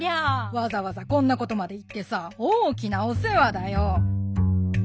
わざわざこんなことまで言ってさ大きなお世話だよ！